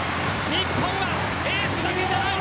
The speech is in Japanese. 日本はエースだけじゃない。